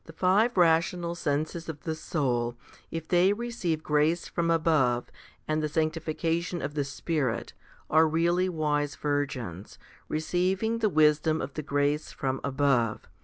7. The five rational 1 senses of the soul, if they receive grace from above and the sanctification of the Spirit, are really wise virgins, receiving the wisdom of the grace from above.